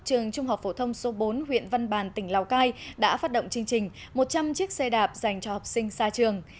trường trung học phổ thông số bốn huyện văn bàn tỉnh lào cai đã phát động chương trình một trăm linh chiếc xe đạp dành cho học sinh xa trường